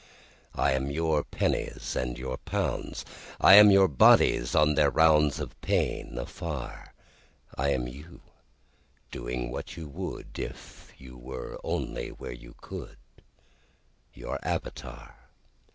I am your pennies and your pounds;I am your bodies on their roundsOf pain afar;I am you, doing what you wouldIf you were only where you could—Your avatar.